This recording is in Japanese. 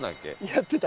やってた。